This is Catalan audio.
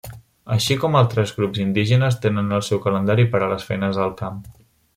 Així com altres grups indígenes, tenen el seu calendari per a les feines al camp.